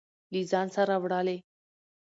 له ځان سره وړلې.